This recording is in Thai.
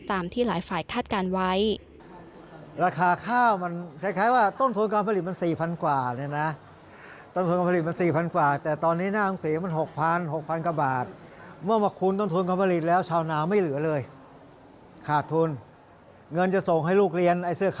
ตามที่หลายฝ่ายคาดการณ์ไว้